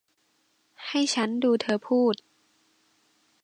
ให้ฉันดูเธอพูด